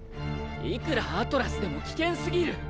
いくらアトラスでも危険すぎる！